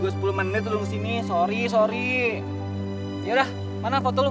masih liatin foto mantan aja c